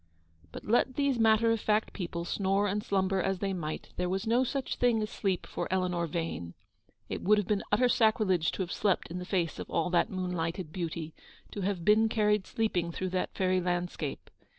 But, let these matter of fact people snore and slumber as they might, there was no such thing as sleep for Eleanor Yane. It would have been utter sacrilege to have slept in the face of all that moonlighted beauty, to have been carried sleeping through that fairy landscape.